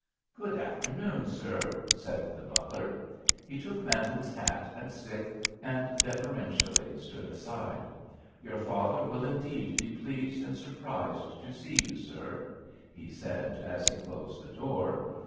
"Good afternoon, sir," said the butler. He took Manton's hat and stick, and deferentially stood aside. "Your father will indeed be pleased and surprised to see you, sir," he said, as he closed the door.